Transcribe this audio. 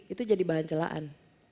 itu jadi bahan celaan